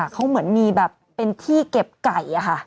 เขาเหมือนมีแบบเป็นที่เก็บไก่อะค่ะ